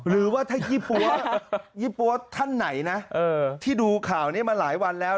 หรือว่าถ้ายี่ปั๊วยี่ปั๊วท่านไหนนะที่ดูข่าวนี้มาหลายวันแล้ว